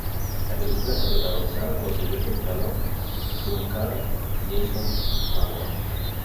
La película está protagonizada por Sylvester Stallone, Sung Kang y Jason Momoa.